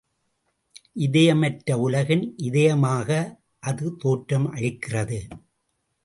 இதயமற்ற உலகின் இதயமாக அது தோற்றம் அளிக்கிறது.